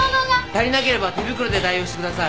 足りなければ手袋で代用してください。